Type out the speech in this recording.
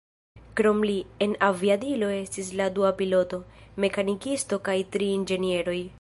Krom li, en aviadilo estis la dua piloto, mekanikisto kaj tri inĝenieroj.